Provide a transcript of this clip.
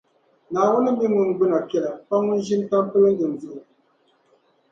Naawuni m-mi ŋun gbina piɛla pa ŋun ʒini tampiligim zuɣu.